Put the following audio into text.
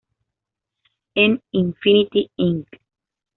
En "Infinity Inc.